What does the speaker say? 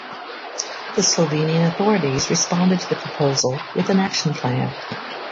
The Slovenian authorities responded to the proposal with an action plan.